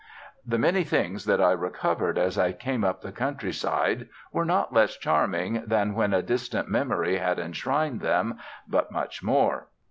The many things that I recovered as I came up the countryside were not less charming than when a distant memory had enshrined them, but much more.